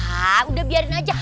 hah udah biarin aja